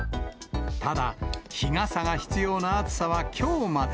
ただ、日傘が必要な暑さはきょうまで。